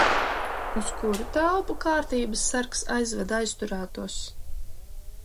Uz kuru telpu kārtības sargs aizved aizturētos?